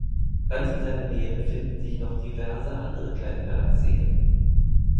Ganz in seiner Nähe befinden sich noch diverse andere kleine Bergseen.